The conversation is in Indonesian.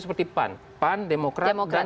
seperti pan pan demokrat dan